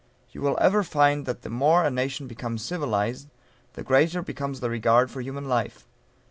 You will ever find that the more a nation becomes civilized, the greater becomes the regard for human life.